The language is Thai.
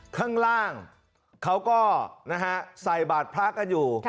ข้างล่างเขาก็ใส่บาดพระพระก็อยู่